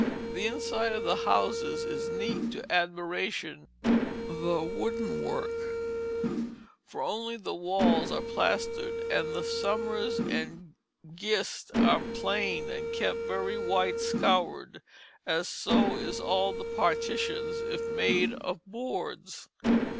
The inside of the houses is neat to admiration, the wooden work; for only the walls are plaster'd; and the Sumers and Gist are planed and kept very white scour'd as so is all the partitions if made of Bords."